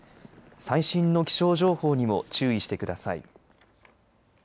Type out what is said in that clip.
最新の気象情報にも注意してください。